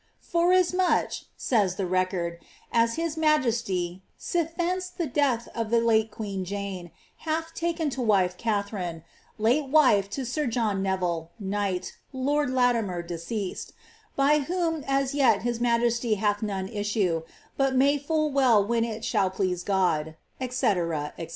^ Forasmuch,'' says the record, *^ as his jesty, sithence the death of the late queen Jane, hath taken to wife tharine, late wife to sir John Neville, knight, lord Latimer, deceased, whom as yet his majesty hath none issue, but may full well when it ill please God,'' &c. &c.